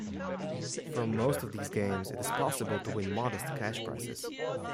From most of these games it is possible to win modest cash prizes.